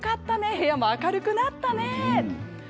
部屋も明るくなったね。